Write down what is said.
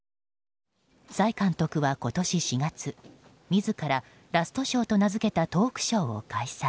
崔監督は今年４月自ら「ラスト・ショー」と名付けたトークショーを開催。